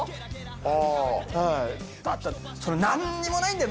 ああはい何にもないんだよ